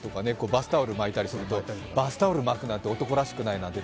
バスタオル巻いたりするとバスタオル巻くなんて男らしくないなんて。